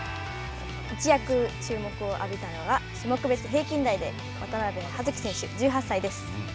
一躍注目を浴びたのが種目別平均台の渡部葉月選手１８歳です。